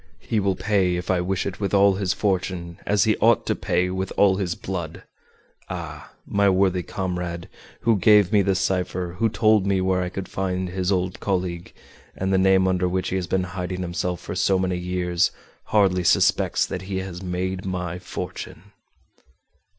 He will pay, if I wish it, with all his fortune, as he ought to pay with all his blood! Ah! My worthy comrade, who gave me this cipher, who told me where I could find his old colleague, and the name under which he has been hiding himself for so many years, hardly suspects that he has made my fortune!"